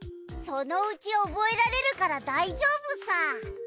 そのうち覚えられるから大丈夫さ。